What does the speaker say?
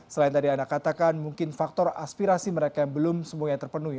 selain tadi anda katakan mungkin faktor aspirasi mereka yang belum semuanya terpenuhi